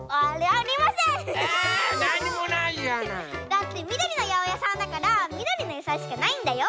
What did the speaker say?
だってみどりのやおやさんだからみどりのやさいしかないんだよ。